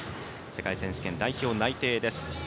世界選手権代表内定です。